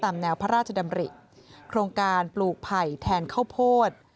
แนวพระราชดำริโครงการปลูกไผ่แทนข้าวโพด